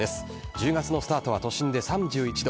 １０月のスタートは都心で３１度。